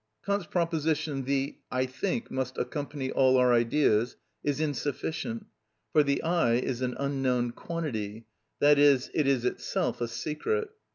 Kant's proposition, "The I think must accompany all our ideas," is insufficient; for the "I" is an unknown quantity, i.e., it is itself a secret.